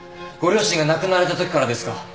ご両親が亡くなられたときからですか？